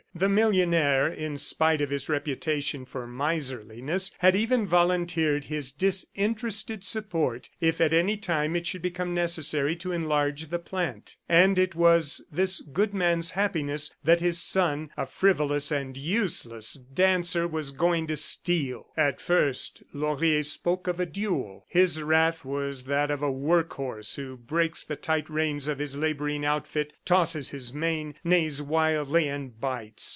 The millionaire, in spite of his reputation for miserliness, had even volunteered his disinterested support if at any time it should become necessary to enlarge the plant. And it was this good man's happiness that his son, a frivolous and useless dancer, was going to steal! ... At first Laurier spoke of a duel. His wrath was that of a work horse who breaks the tight reins of his laboring outfit, tosses his mane, neighs wildly and bites.